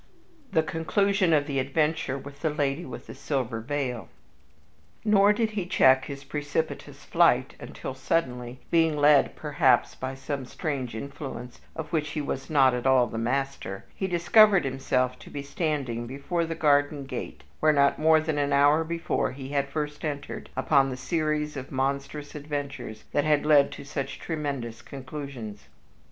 VI The Conclusion of the Adventure with the Lady with the Silver Veil Nor did he check his precipitous flight until suddenly, being led perhaps by some strange influence of which he was not at all the master, he discovered himself to be standing before the garden gate where not more than an hour before he had first entered upon the series of monstrous adventures that had led to such tremendous conclusions.